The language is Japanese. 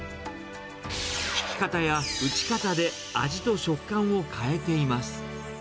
ひき方や打ち方で味と食感を変えています。